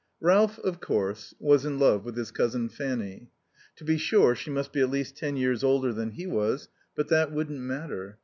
Ralph, of course, was in love with his cousin Fanny. To be sure, she must be at least ten years older than he was, but that wouldn't matter.